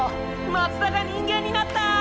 松田が人間になった！